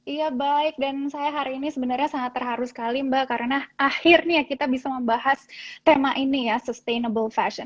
iya baik dan saya hari ini sebenarnya sangat terharu sekali mbak karena akhirnya kita bisa membahas tema ini ya sustainable fashion